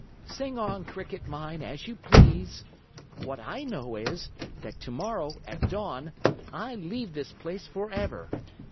"Sing on, Cricket mine, as you please. What I know is, that tomorrow, at dawn, I leave this place forever.